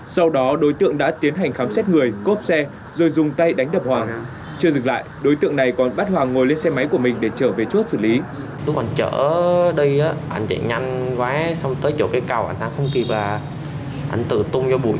sau đó đối tượng đã tiến hành khám xét người cốp xe rồi dùng tay đánh đập hoàng chưa dừng lại đối tượng này còn bắt hoàng ngồi lên xe máy của mình để trở về chốt xử lý